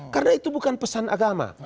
karena itu bukan pesan agama